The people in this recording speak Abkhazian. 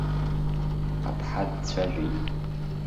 Аԥҳа дцәажәеит.